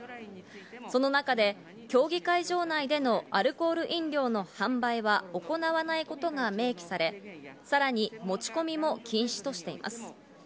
その中で競技会場内でのアルコール飲料の販売は行わないことが明記され、さらに持ち込みも禁止としています。